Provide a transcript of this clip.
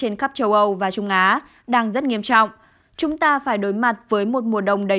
trên khắp châu âu và trung á đang rất nghiêm trọng chúng ta phải đối mặt với một mùa đông đầy